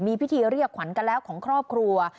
มีพิธีเรียกขวัญกันแล้วของครอบครัว